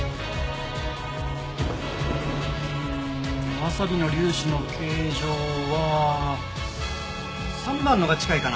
ワサビの粒子の形状は３番のが近いかな。